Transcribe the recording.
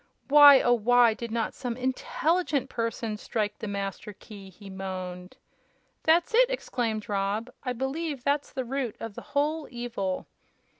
"Why, oh why did not some intelligent person strike the Master Key!" he moaned. "That's it!" exclaimed Rob. "I believe that's the root of the whole evil."